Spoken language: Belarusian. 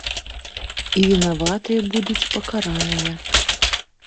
І вінаватыя будуць пакараныя.